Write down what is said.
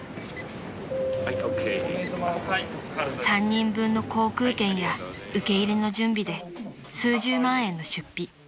［３人分の航空券や受け入れの準備で数十万円の出費］